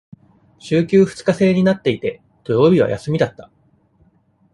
週休二日制になっていて、土曜日は休みだった。